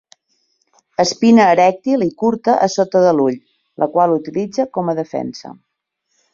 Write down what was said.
Espina erèctil i curta a sota de l'ull, la qual utilitza com a defensa.